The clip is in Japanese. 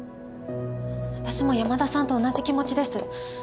私も山田さんと同じ気持ちです。